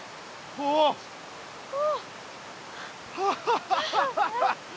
ああ。